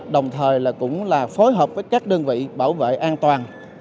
đồng thời cũng là phối hợp với các đơn vị bảo vệ an toàn